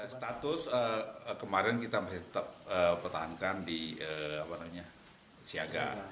status kemarin kita masih tetap pertahankan di siaga